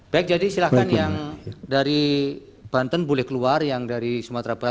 baik jadi silahkan yang dari banten boleh keluar yang dari sumatera barat